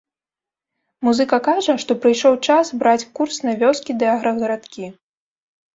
Музыка кажа, што прыйшоў час браць курс на вёскі ды аграгарадкі.